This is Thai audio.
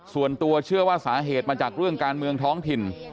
ส่วนตัวเชื่อว่าสาเหตุมาจากเรื่องการเมืองท้องถิ่น